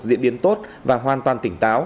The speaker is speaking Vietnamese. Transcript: diễn biến tốt và hoàn toàn tỉnh táo